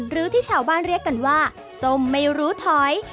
หรือที่ชาวบ้านเรียกกันว่าส้มไม่รู้ถอย